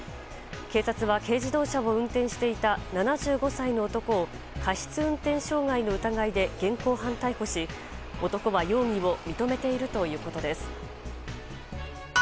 警察は軽自動車を運転していた７５歳の男を過失運転傷害の疑いで現行犯逮捕し男は容疑を認めているということです。